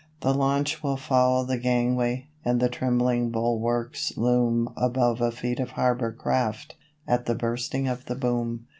... The launch will foul the gangway, and the trembling bulwarks loom Above a fleet of harbour craft at the Bursting of the Boom.